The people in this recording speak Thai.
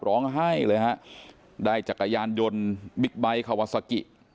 ร้องไห้เลยฮะได้จักรยานยนต์บิ๊กไบท์คาวาซากิ